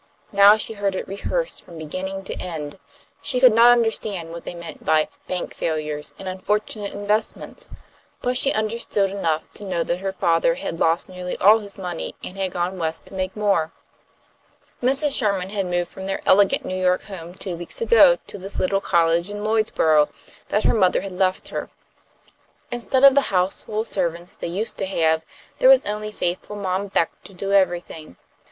Now she heard it rehearsed from beginning to end. She could not understand what they meant by "bank failures" and "unfortunate investments," but she understood enough to know that her father had lost nearly all his money, and had gone West to make more. Mrs. Sherman had moved from their elegant New York home two weeks ago to this little cottage in Lloydsborough that her mother had left her. Instead of the houseful of servants they used to have, there was only faithful Mom Beck to do everything.